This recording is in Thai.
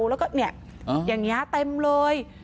แล้วก็เนี่ยอย่างนี้เต็มเลย